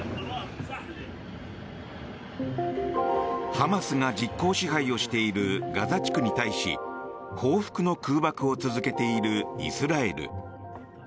ハマスが実効支配をしているガザ地区に対し報復の空爆を続けているイスラエル。